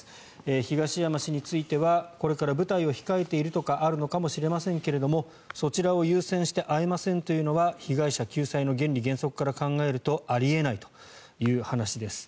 東山氏についてはこれから舞台を控えているとかあるのかもしれませんけどもそちらを優先して会えませんというのは被害者救済の原理原則から考えるとあり得ないという話です。